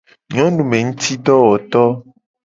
Nyonumengutidowoto.